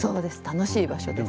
楽しい場所です。